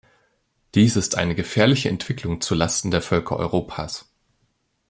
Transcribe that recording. Dies ist eine gefährliche Entwicklung zu Lasten der Völker Europas.